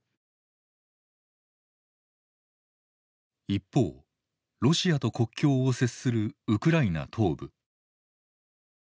一方ロシアと国境を接するウクライナ東部。